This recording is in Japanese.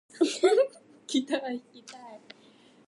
ギター弾きたい